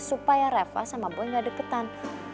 supaya reva sama boe gak deketan